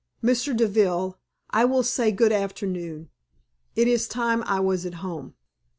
"Mr. Deville, I will say good afternoon. It is time I was at home."